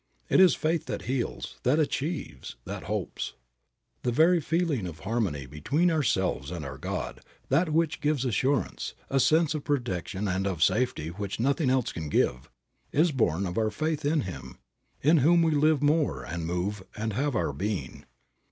It is faith that heals, that achieves, that hopes. The very feeling of harmony between ourselves and our God, that which gives assurance, a sense of protection and of safety which nothing else can give, is born of our faith in Him, in whom we live and move and have our being.